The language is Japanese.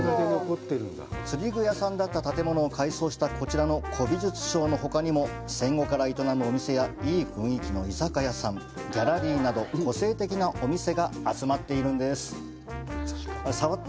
釣具屋さんだった建物を改装したこちらの古美術商のほかにも、戦後から営むお店や、いい雰囲気の居酒屋さん、ギャラリーなど、個性的なお店が集まっているんです。